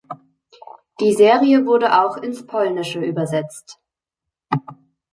Die Serie wurde auch ins Polnische übersetzt.